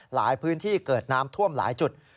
หลายพื้นที่เกิดน้ำท่วมหลายจุด